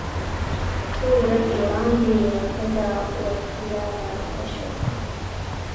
څو ورځې وړاندې یوه ښځه وکیله برمته شوه.